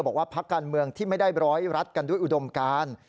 บอกว่าพักการเมืองที่ไม่ได้ร้อยรัฐกันด้วยอุดมการ